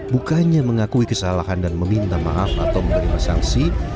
bukannya mengakui kesalahan dan meminta maaf atau memberi mesangsi